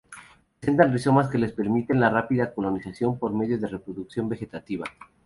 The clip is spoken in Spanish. Presentan rizomas que les permiten la rápida colonización por medio de reproducción vegetativa.